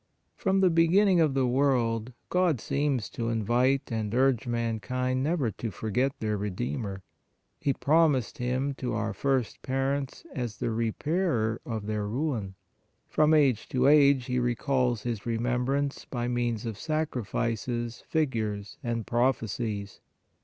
From the beginning of the world God seems to invite and urge mankind never to forget their Re deemer. He promised Him to our first parents as the Repairer of their ruin. From age to age He recalls His remembrance by means of sacrifices, fig ures and prophecies.